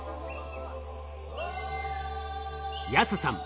安さん